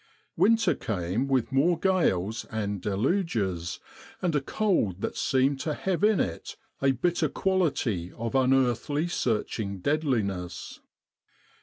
Winter came with more gales and deluges, and a cold that seemed to have in it a bitter quality of unearthly searching deadliness.